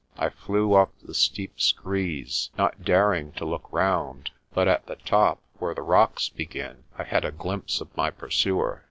I flew up the steep screes, not daring to look round; but at the top, where the rocks begin, I had a glimpse of my pursuer.